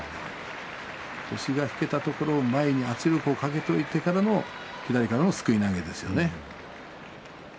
腰が引けたところ前に圧力をかけておいてからの左からのすくい投げですね。